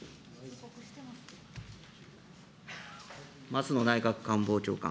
松野内閣官房長官。